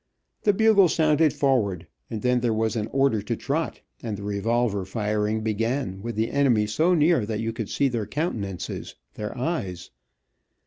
The bugle sounded "forward," and then there was an order to trot, and the revolver firing began, with the enemy so near that you could see their countenances, their eyes.